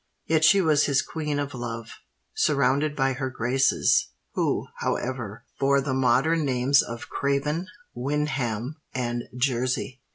Yet she was his Queen of Love, surrounded by her graces, who, however, bore the modern names of Craven, Windham, and Jersey."